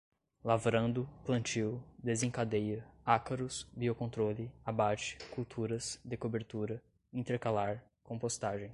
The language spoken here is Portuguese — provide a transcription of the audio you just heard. lavrando, plantio, desencadeia, ácaros, biocontrole, abate, culturas de cobertura, intercalar, compostagem